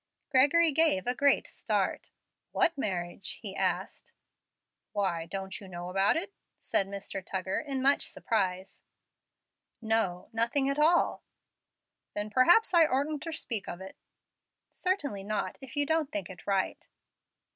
Gregory gave a great start. "What marriage?" he asked. "Why, don't you know about it?" said Mr. Tuggar, in much surprise. "No, nothing at all." "Then perhaps I ortn't ter speak of it." "Certainly not, if you don't think it right."